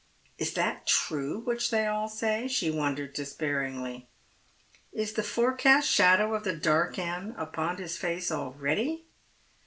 Is that true which they all say ? sha wonders despairingly. Is the forecast shadow of the end dark upon his face already?